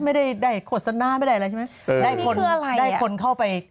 ไม่ได้โฆษณาไม่ได้อะไรใช่ไหม